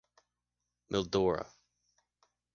Mildura.